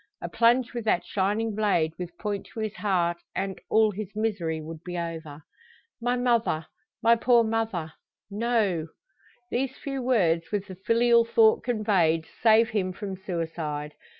A plunge with that shining blade with point to his heart, and all his misery would be over! "My mother my poor mother no!" These few words, with the filial thought conveyed, save him from suicide.